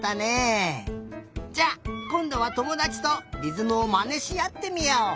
じゃあこんどはともだちとりずむをまねしあってみよう。